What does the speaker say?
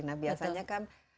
nah biasanya kan